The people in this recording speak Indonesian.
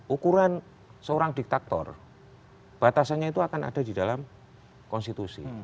ukuran seorang diktator batasannya itu akan ada di dalam konstitusi